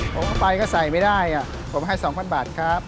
ผมเข้าไปก็ใส่ไม่ได้ผมให้๒๐๐บาทครับ